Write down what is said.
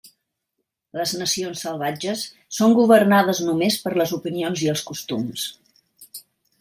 Les nacions salvatges són governades només per les opinions i els costums.